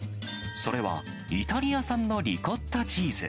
それはイタリア産のリコッタチーズ。